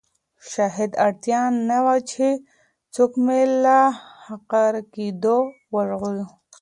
شاید اړتیا نه وي چې څوک مې له غرقېدو وژغوري.